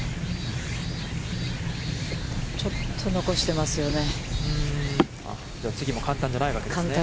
ちょっと残してますよね。